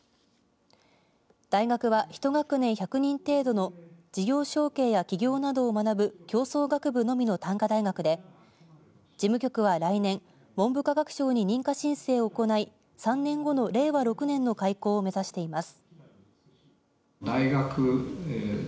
大学は１学年１００人程度の事業承継や起業などを学ぶ共創学部のみの単科大学で事務局は来年文部科学省に認可申請を行い３年後の令和６年の開校を目指しています。